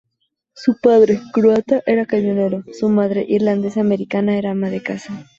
Su padre, croata, era camionero; su madre, irlandesa americana, era ama de casa.